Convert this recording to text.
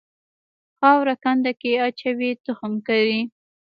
خاوره کنده کې اچوي تخم کري.